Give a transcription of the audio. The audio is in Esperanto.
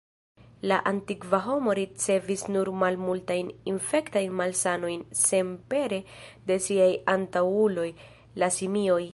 La antikva homo ricevis nur malmultajn infektajn malsanojn senpere de siaj antaŭuloj, la simioj.